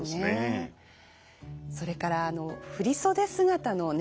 それから振袖姿のね